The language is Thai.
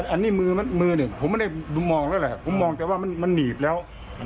อันนี้มือหนึ่งผมไม่ได้มองแล้วแหละผมมองแต่ว่ามันหนีบแล้ว